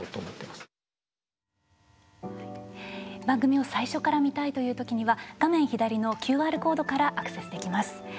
番組を最初から見たいという時には画面左のＱＲコードからアクセスできます。